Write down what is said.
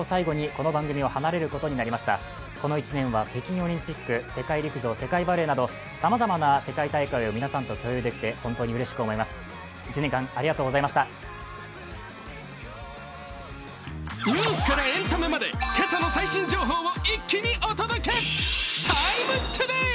この１年は北京オリンピック、世界陸上、世界バレーなどさまざまな世界大会を皆さんと共有できて本当にうれしく思います。